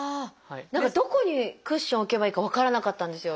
何かどこにクッションを置けばいいか分からなかったんですよ。